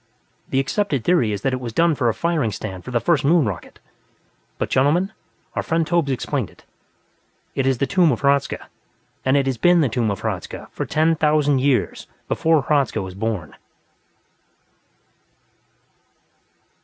The accepted theory is that it was done for a firing stand for the first Moon rocket. But gentlemen, our friend Tobbh's explained it. It is the tomb of Hradzka, and it has been the tomb of Hradzka for ten thousand years before Hradzka was born!"